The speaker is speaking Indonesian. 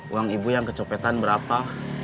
uang ibu yang kecopetan berapa